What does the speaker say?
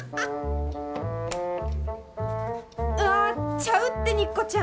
ちゃうって肉子ちゃん！